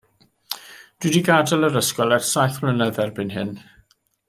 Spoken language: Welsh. Dw i 'di gadael yr ysgol ers saith mlynedd erbyn hyn.